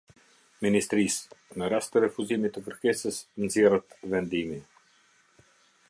Ministrisë. Në rast të refuzimit të kërkesës, nxjerrët vendimi.